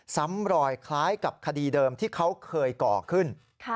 ซ้ำรอยคล้ายกับคดีเดิมที่เขาเคยก่อขึ้น